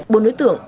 bốn đối tượng